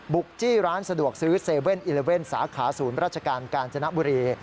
จี้ร้านสะดวกซื้อ๗๑๑สาขาศูนย์ราชการกาญจนบุรี